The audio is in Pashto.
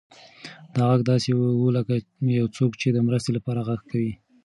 دا غږ داسې و لکه یو څوک چې د مرستې لپاره غږ کوي.